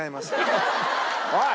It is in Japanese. おい！